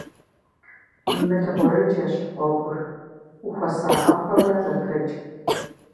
Мыл гъурыджэщ гъуэгур, ухуэсакъыпэурэ зэпрыкӏ.